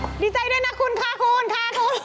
โอ๊ยดีใจด้วยนะคุณค่ะคุณค่ะ